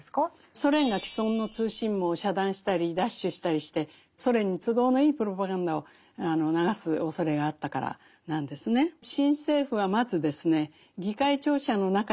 ソ連が既存の通信網を遮断したり奪取したりしてソ連に都合のいいプロパガンダを流すおそれがあったからなんですね。